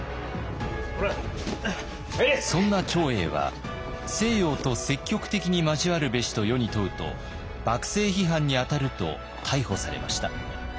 そんな長英は「西洋と積極的に交わるべし」と世に問うと幕政批判にあたると逮捕されました。